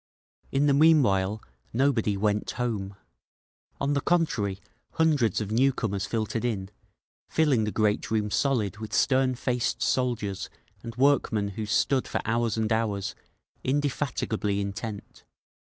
In the meanwhile nobody went home; on the contrary hundreds of newcomers filtered in, filling the great room solid with stern faced soldiers and workmen who stood for hours and hours, indefatigably intent.